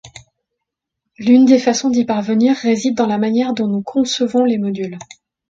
L'une des façons d'y parvenir réside dans la manière dont nous concevons les modules.